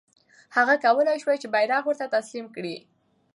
هغه کولای سوای چې بیرغ ورته تسلیم کړي.